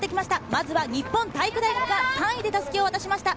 まずは日本体育大学が３位で襷を渡しました。